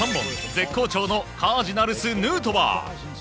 絶好調のカージナルスヌートバー。